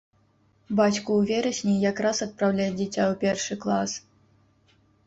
Бацьку ў верасні якраз адпраўляць дзіця ў першы клас.